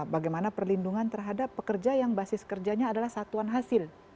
bagaimana perlindungan terhadap pekerja yang basis kerjanya adalah satuan hasil